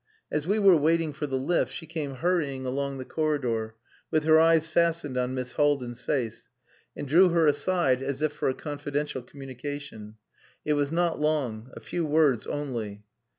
As we were waiting for the lift she came hurrying along the corridor, with her eyes fastened on Miss Haldin's face, and drew her aside as if for a confidential communication. It was not long. A few words only.